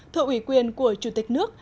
thợ ủy quyền của chủ tịch nước